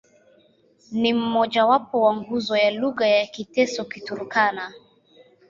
Ni mmojawapo wa nguzo ya lugha za Kiteso-Kiturkana.